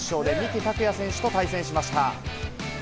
準々決勝で三木拓也選手と対戦しました。